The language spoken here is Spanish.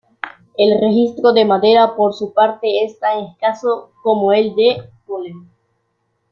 El registro de madera por su parte es tan escaso como el de polen.